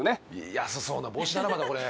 安そうな帽子だなまたこれ。